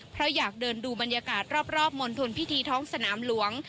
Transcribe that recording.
เพราะอยากเดินดูบรรยากาศรอบมณฑลพิธีท้องสนามหลวง